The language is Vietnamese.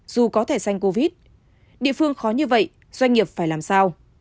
dù có thể xanh covid địa phương khó như vậy doanh nghiệp phải làm sao